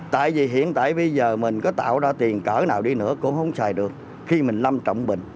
tại vì hiện tại bây giờ mình có tạo ra tiền cỡ nào đi nữa cũng không xài được khi mình lâm trọng bình